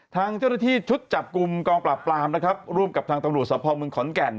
ทางเจ้าหน้าที่ชุดจับกลุ่มกองปราบปรามนะครับร่วมกับทางตำรวจสภเมืองขอนแก่น